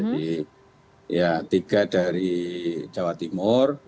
jadi ya tiga dari jawa timur